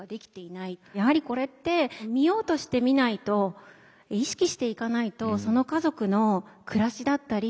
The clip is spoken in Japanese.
やはりこれって見ようとして見ないと意識していかないとその家族の暮らしだったり